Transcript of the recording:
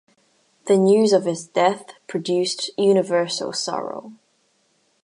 The news of his death produced universal sorrow.